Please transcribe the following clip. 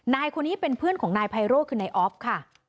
นายคนนี้เป็นเพื่อนของนายไพโร่คือนายออฟค่ะ